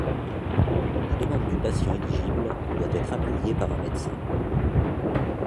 La demande du patient éligible doit être appuyée par un médecin.